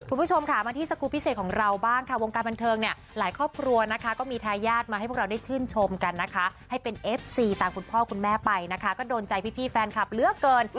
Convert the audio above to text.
คุณผู้ชมค่ะมาที่สกูลพิเศษของเราบ้างค่ะวงการบันเทิงเนี่ยหลายครอบครัวนะคะก็มีทายาทมาให้พวกเราได้ชื่นชมกันนะคะให้เป็นเอฟซีตามคุณพ่อคุณแม่ไปนะคะก็โดนใจพี่แฟนคลับเหลือเกิน